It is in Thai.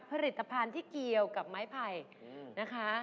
ผลิตภัณฑ์ที่เกี่ยวกับไม้ไผ่นะคะ